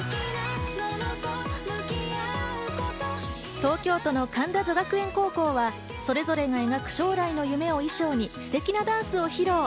東京都の神田女学園高校はそれぞれが描く将来の夢をテーマにステキな衣装を披露。